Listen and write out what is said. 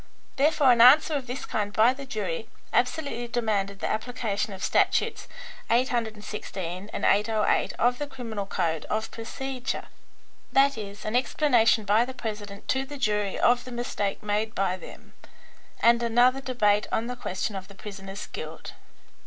Therefore an answer of this kind by the jury absolutely demanded the application of statutes 816 and 808 of the criminal code of procedure, i.e., an explanation by the president to the jury of the mistake made by them, and another debate on the question of the prisoner's guilt."